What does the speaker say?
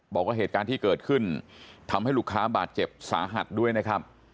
บอกว่าเหตุการณ์ที่เกิดขึ้นทำให้ลูกค้าบาดเจ็บสาหัสด้วยนะครับ